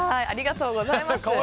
ありがとうございます。